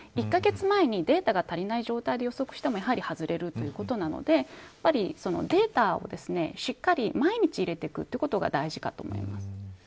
１カ月前に、データが足りない状態で予測しても外れるのでやはり、データをしっかり毎日入れていくということが大事だと思います。